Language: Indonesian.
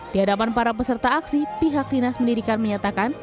di hadapan para peserta aksi pihak dinas pendidikan menyatakan